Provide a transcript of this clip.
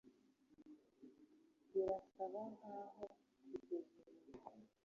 birasa nkaho kugeza ubu